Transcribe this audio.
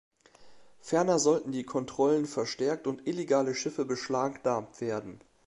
Ferner sollten die Kontrollen verstärkt und illegale Schiffe beschlagnahmt werden.